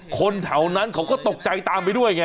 คนแถวนั้นเขาก็ตกใจตามไปด้วยไง